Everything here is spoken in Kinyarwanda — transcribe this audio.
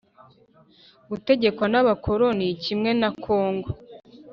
gutegekwa n abakoroni kimwe na kongo